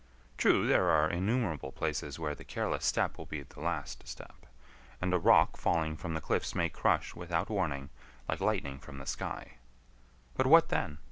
True, there are innumerable places where the careless step will be the last step; and a rock falling from the cliffs may crush without warning like lightning from the sky; but what then!